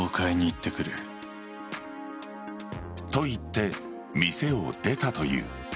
と言って店を出たという。